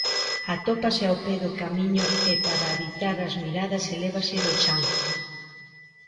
Atópase ao pé do camiño e para evitar as miradas elévase do chan.